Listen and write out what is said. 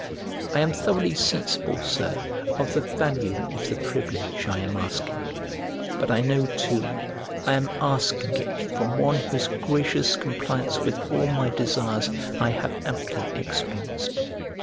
I am thoroughly sensible, Sir, of the value of the privilege I am asking; but I know, too, I am asking it from one whose gracious compliance with all my desires I have amply experienced.